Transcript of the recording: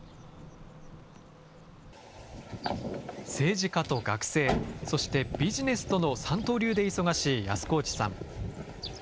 政治家と学生、そしてビジネスとの三刀流で忙しい安河内さん。